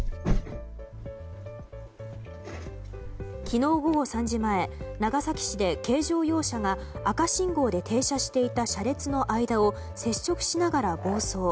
昨日午後３時前長崎市で、軽乗用車が赤信号で停車していた車列の間を接触しながら暴走。